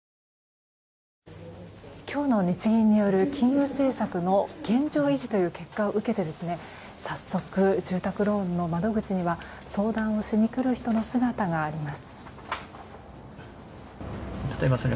今日の日銀による金融政策の現状維持という結果を受けて早速、住宅ローンの窓口には相談をしに来る人の姿があります。